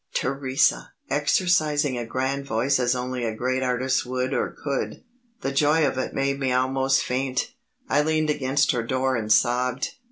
Theresa! exercising a grand voice as only a great artist would or could. The joy of it made me almost faint. I leaned against her door and sobbed.